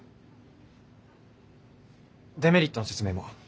デメリットの説明も。